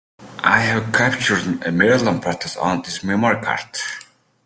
I have captured a million photos on this memory card.